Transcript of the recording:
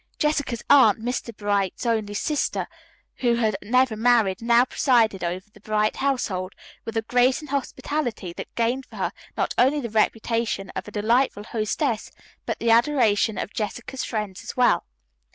Jessica's aunt, Mr. Bright's only sister, who had never married, now presided over the Bright household, with a grace and hospitality that gained for her not only the reputation of a delightful hostess, but the adoration of Jessica's friends as well.